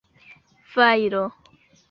fajro